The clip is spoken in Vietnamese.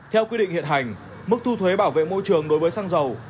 theo quy định hiện hành mức thu thuế bảo vệ môi trường đối với xăng dầu